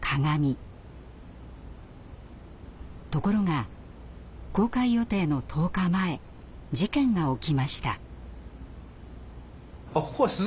ところが公開予定の１０日前事件が起きました。